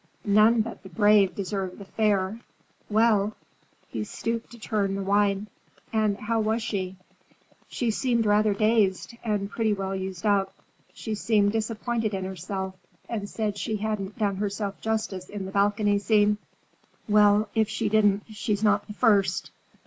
None but the brave deserve the fair. Well,"—he stooped to turn the wine,—"and how was she?" "She seemed rather dazed, and pretty well used up. She seemed disappointed in herself, and said she hadn't done herself justice in the balcony scene." "Well, if she didn't, she's not the first.